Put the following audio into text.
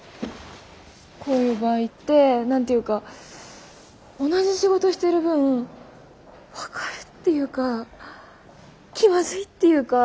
こういう場合って何て言うか同じ仕事してる分分かるっていうか気まずいっていうか。